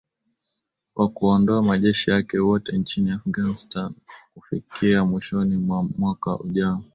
wakuondoa majeshi yake wote nchini afghanistan kufikia mwishoni mwa mwaka ujao